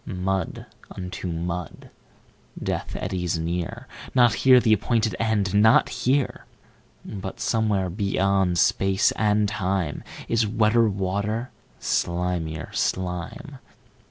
15Mud unto mud! Death eddies near 16Not here the appointed End, not here!17But somewhere, beyond Space and Time.18Is wetter water, slimier slime!